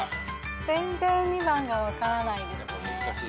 全然２番が分からないですね。